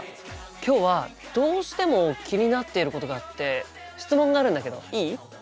今日はどうしても気になっていることがあって質問があるんだけどいい？